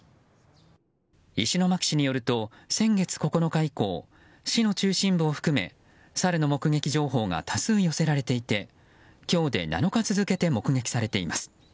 石巻市によると先月９日以降市の中心部を含めサルの目撃情報が多数寄せられていて今日で７日連続続けて目撃されています。